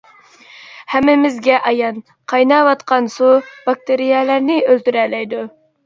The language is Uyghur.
ھەممىمىزگە ئايان، قايناۋاتقان سۇ باكتېرىيەلەرنى ئۆلتۈرەلەيدۇ.